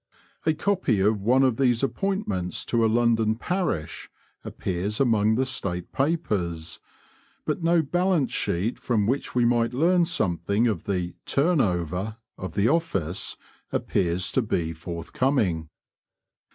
A copy of one of these appointments to a London parish appears among the State papers, but no balance sheet from which we might learn something of the "turn over" of the office appears to be forthcoming.